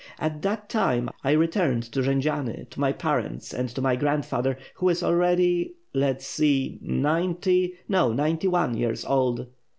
At that time, I returned to Jendziani, to my parents and to my grandfather, who is already — let's see — ninety, no ninety one years old."